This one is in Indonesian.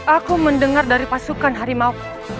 aku mendengar dari pasukan harimau